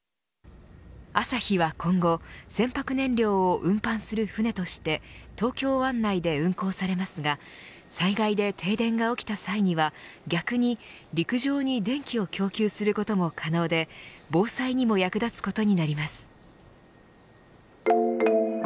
あさひは、今後船舶燃料を運搬する船として東京湾内で運行されますが災害で停電が起きた際には逆に陸上に電気を供給することも可能で防災にも役立つことになります。